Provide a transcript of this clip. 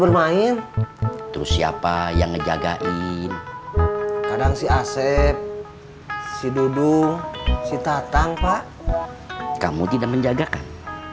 bermain terus siapa yang ngejagain kadang si asep si dudung si tatang pak kamu tidak menjaga kan